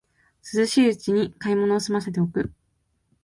涼しいうちに買い物をすませておく